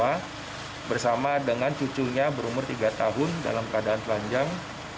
kami menemukan pemilik rumah yang berumur tiga tahun dalam keadaan telanjang